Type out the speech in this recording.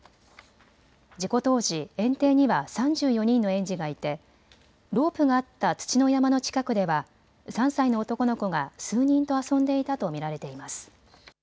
事故当時、園庭には３４人の園児がいてロープがあった土の山の近くでは３歳の男の子が数人と遊んでいたと見られています。